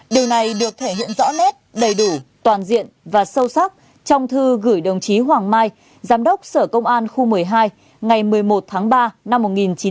điều này được thể hiện rõ nét đầy đủ toàn diện và sâu sắc trong thư gửi đồng chí hoàng mai giám đốc sở công an khu một mươi hai ngày một mươi một tháng ba năm một nghìn chín trăm bảy mươi